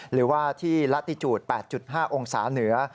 หรือว่าที่ลาติจูด๘๕องศาเหนือ